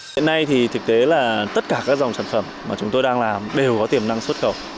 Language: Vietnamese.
hiện nay thì thực tế là tất cả các dòng sản phẩm mà chúng tôi đang làm đều có tiềm năng xuất khẩu